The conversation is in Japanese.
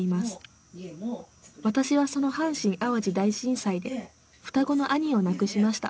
私はその阪神・淡路大震災で双子の兄を亡くしました。